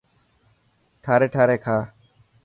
ٺاري ٺاري کا.